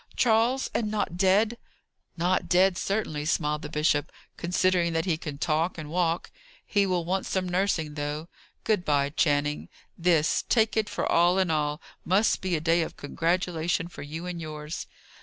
"Charles! and not dead?" "Not dead, certainly," smiled the bishop, "considering that he can talk and walk. He will want some nursing, though. Good bye, Channing. This, take it for all in all, must be a day of congratulation for you and yours."